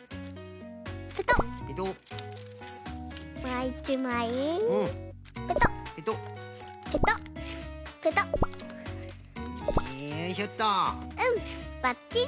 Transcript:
うんばっちり。